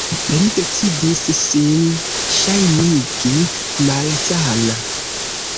Li decidis sin ŝajnigi malsana.